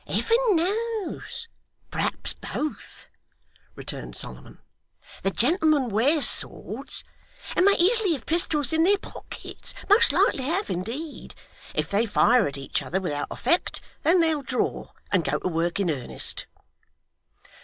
'Heaven knows. Perhaps both,' returned Solomon. 'The gentlemen wear swords, and may easily have pistols in their pockets most likely have, indeed. If they fire at each other without effect, then they'll draw, and go to work in earnest.